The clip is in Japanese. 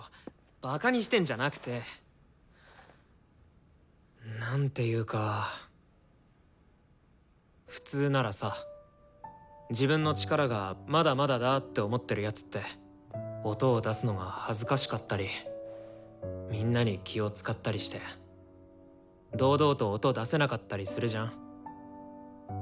バカにしてんじゃなくて。なんていうか普通ならさ自分の力が「まだまだだ」って思ってる奴って音を出すのが恥ずかしかったりみんなに気を遣ったりして堂々と音出せなかったりするじゃん？